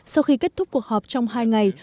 sau khi kết thúc cuộc họp trong hai ngày